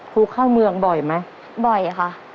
ครูเข้าเมืองบ่อยไหมบ่อยค่ะ